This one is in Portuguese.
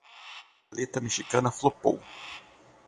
Paleta mexicana flopou